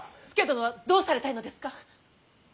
佐殿はどうされたいのですか。